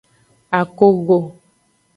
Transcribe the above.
Akogo.